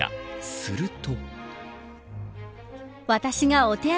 すると。